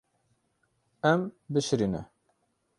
Em bişirîne.